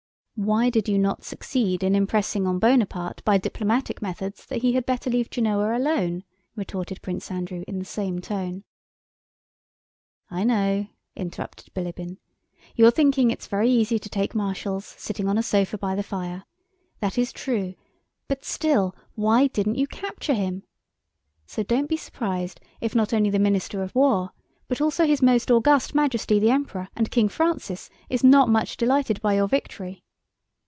"Why did you not succeed in impressing on Bonaparte by diplomatic methods that he had better leave Genoa alone?" retorted Prince Andrew in the same tone. "I know," interrupted Bilíbin, "you're thinking it's very easy to take marshals, sitting on a sofa by the fire! That is true, but still why didn't you capture him? So don't be surprised if not only the Minister of War but also his Most August Majesty the Emperor and King Francis is not much delighted by your victory.